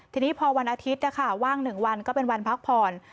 ทีนี้พอวันอาทิตย์นะคะว่าง๑วันก็เป็นวันพักผ่อน